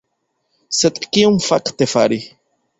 Sed kion fakte fari?